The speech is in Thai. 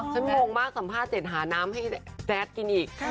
งงมากสัมภาษณ์เสร็จหาน้ำให้แจ๊ดกินอีก